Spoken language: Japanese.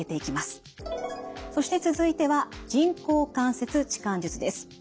そして続いては人工関節置換術です。